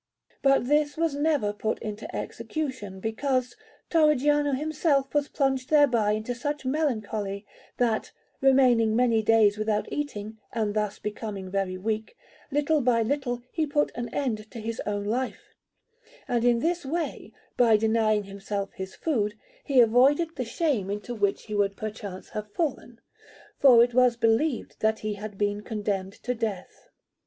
But this was never put into execution, because Torrigiano himself was plunged thereby into such melancholy, that, remaining many days without eating, and thus becoming very weak, little by little he put an end to his own life; and in this way, by denying himself his food, he avoided the shame into which he would perchance have fallen, for it was believed that he had been condemned to death.